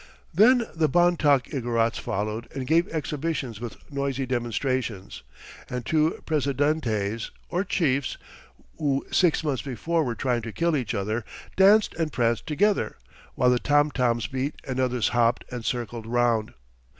Then the Bontoc Igorots followed and gave exhibitions with noisy demonstrations, and two presidentes, or chiefs, who six months before were trying to kill each other, danced and pranced together, while the tom toms beat and others hopped and circled round.